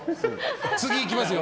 次行きますよ。